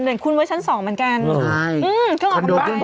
เด่นคุณไว้ชั้นสองเหมือนกัน